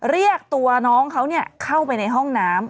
เรียกตัวน้องเขาเข้าไปในห้องน้ำ